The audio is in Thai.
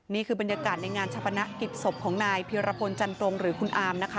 นี่คือบรรยากาศในงานชะพนักกิจศพของนายเพียรพลจันตรงหรือคุณอามนะคะ